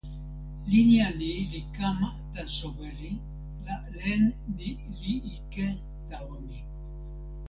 linja ni li kama tan soweli la len ni li ike tawa mi.